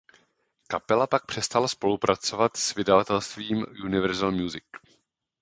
Kapela pak přestala spolupracovat s vydavatelstvím Universal Music.